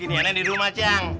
giniannya di rumah cang